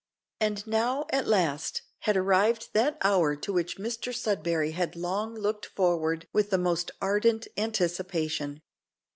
And now, at last, had arrived that hour to which Mr Sudberry had long looked forward with the most ardent anticipation.